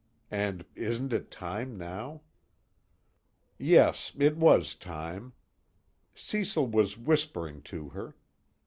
And isn't it time now?_ Yes, it was time. Cecil was whispering to her.